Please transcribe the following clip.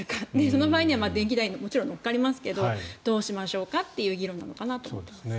その場合には電気代もちろん載っかりますけどどうしましょうかという議論なのかなと思います。